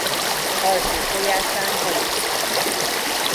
Alsó folyásán hajózható.